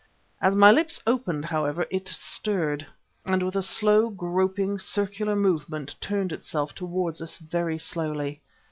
As my lips opened, however, it stirred, and with a slow, groping, circular movement turned itself towards us very slowly.